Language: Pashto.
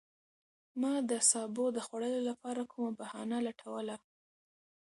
ما د سابو د خوړلو لپاره کومه بهانه لټوله.